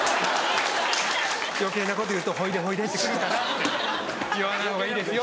「余計なこと言うと『ほいでほいで』ってくるから言わない方がいいですよ」。